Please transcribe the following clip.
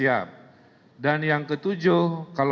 untuk kan fitness